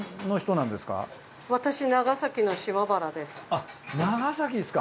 あっ長崎ですか。